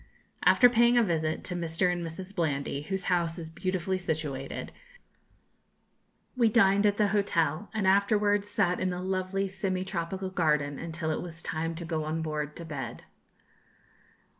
After paying a visit to Mr. and Mrs. Blandy, whose house is beautifully situated, we dined at the hotel, and afterwards sat in the lovely semi tropical garden until it was time to go on board to bed.